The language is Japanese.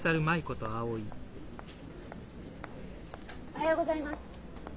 おはようございます。